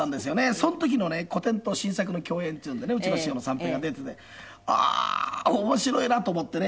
その時のね古典と新作の競演っていうんでねうちの師匠の三平が出ててああー面白いなと思ってね。